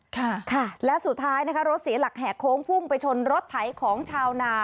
ค่ะค่ะและสุดท้ายนะคะรถเสียหลักแห่โค้งพุ่งไปชนรถไถของชาวนา